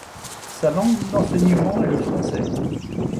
Sa langue d'enseignement est le français.